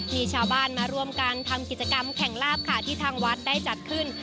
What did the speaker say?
มีชาวบ้านมาร่วมกันทำกิจกรรมแข่งลาบค่ะที่ทางวัดได้จัดขึ้น